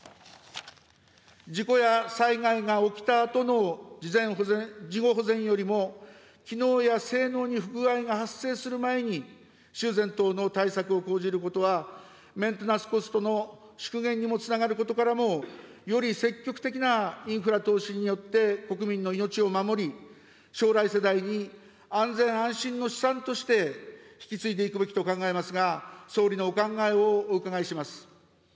事故や災害が起きたあとの事後保全よりも、機能や性能に不具合が発生する前に、修繕等の対策を講じることは、メンテナンスコストの縮減にもつながることからも、より積極的なインフラ投資によって、国民の命を守り、将来世代に安全・安心の資産として引き継いでいくべきだと考えますが、総理のお考えをお伺いします。